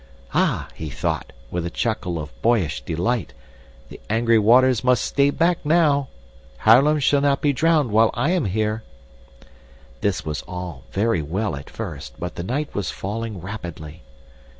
Ah! he thought, with a chuckle of boyish delight, the angry waters must stay back now! Haarlem shall not be drowned while I am here! "This was all very well at first, but the night was falling rapidly.